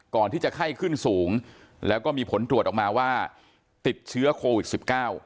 ก่อนที่จะไข้ขึ้นสูงแล้วก็มีผลตรวจออกมาว่าติดเชื้อโควิด๑๙